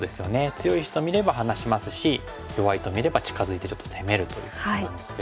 強い石と見れば離しますし弱いと見れば近づいてちょっと攻めるということなんですけども。